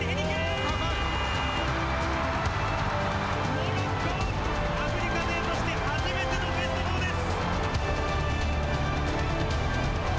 モロッコ、アフリカ勢として初めてのベスト４です。